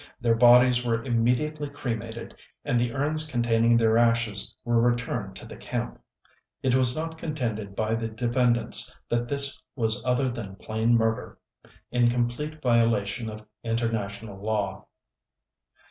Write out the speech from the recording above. Their bodies were immediately cremated, and the urns containing their ashes were returned to the camp. It was not contended by the defendants that this was other than plain murder, in complete violation of international law.